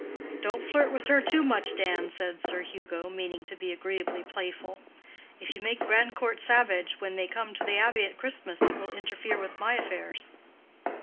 "Don't flirt with her too much, Dan," said Sir Hugo, meaning to be agreeably playful. "If you make Grandcourt savage when they come to the Abbey at Christmas, it will interfere with my affairs."